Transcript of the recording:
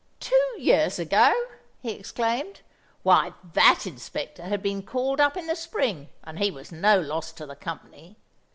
Two years ago! he exclaimed, why, that inspector had been called up in the spring, and he was no loss to the company!